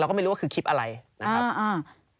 ก็ไม่รู้ว่าคือคลิปอะไรนะครับอ่า